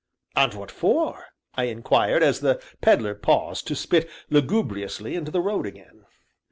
"And what for?" I inquired, as the Pedler paused to spit lugubriously into the road again.